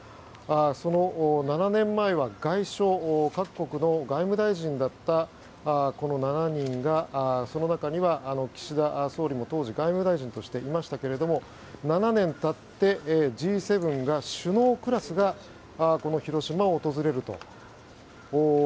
その７年前は外相各国の外務大臣だったこの７人が、その中には岸田総理も当時外務大臣としていましたけれども７年経って、Ｇ７の首脳クラスがこの広島を訪れると。